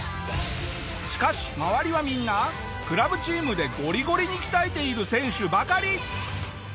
しかし周りはみんなクラブチームでゴリゴリに鍛えている選手ばかり。